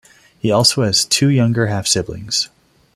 He also has two younger half-siblings.